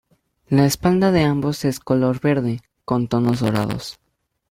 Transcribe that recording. La espalda de ambos es color verde con tonos dorados.